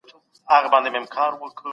رښتينی انسان دا مهال عدالت پلي کوي.